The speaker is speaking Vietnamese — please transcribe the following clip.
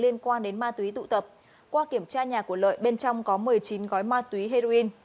liên quan đến ma túy tụ tập qua kiểm tra nhà của lợi bên trong có một mươi chín gói ma túy heroin